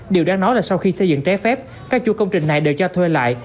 điều đáng nói là sau khi xây dựng trái phép các chú công trình này đều cho thuê lại